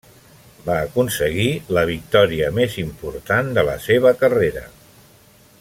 Va aconseguir la victòria més important de la seva carrera.